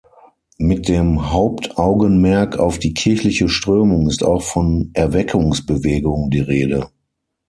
Mit dem Hauptaugenmerk auf die kirchliche Strömung ist auch von "Erweckungsbewegung" die Rede.